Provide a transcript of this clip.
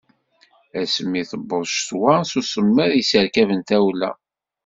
Asmi i d-tewweḍ ccetwa, s usemmiḍ i yesserkaben tawla.